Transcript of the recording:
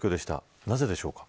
なぜでしょう。